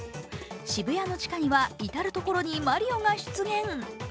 渋谷の地下には至る所にマリオが出現。